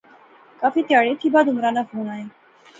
کافی تہاڑیا تھی بعدعمرانے ناں فون آیا